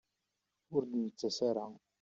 Ur d-nettas ara.